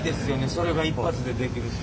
それが一発でできるって。